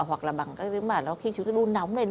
hoặc là khi chúng ta đun nóng lên